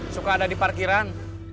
suka ada di parkiran